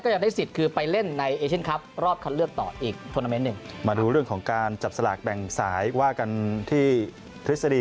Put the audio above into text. เหลือที่ไทยว่าการที่ทฤษฎี